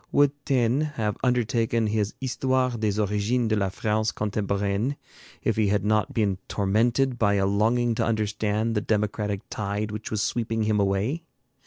Would Taine have undertaken his 'Histoire des origines de la France contemporaine' if he had not been tormented by a longing to understand the democratic tide which was sweeping him away?